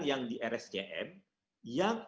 yang di rsjm yang